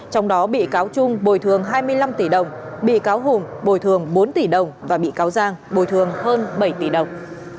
trong đó bị cáo trung bồi thường hai mươi năm tỷ đồng bị cáo hùng bồi thường bốn tỷ đồng và bị cáo giang bồi thường hơn bảy tỷ đồng